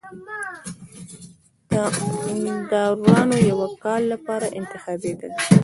داورانو د یوه کال لپاره انتخابېدل.